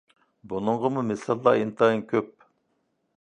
بۇنىڭغىمۇ مىساللار ئىنتايىن كۆپ.